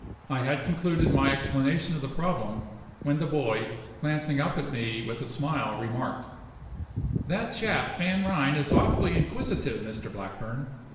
I had concluded my explanation of the problem, when the boy, glancing up at me with a smile, remarked: "That chap, Van Ryn, is awfully inquisitive, Mr Blackburn.